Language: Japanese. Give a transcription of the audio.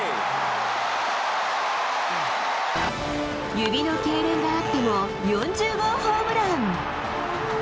指のけいれんがあっても、４０号ホームラン。